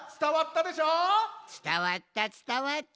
つたわったつたわった。